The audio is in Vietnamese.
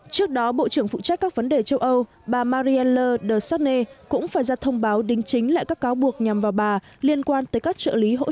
trước đó bộ trưởng phụ trách các vấn đề châu âu bà marielle de sarney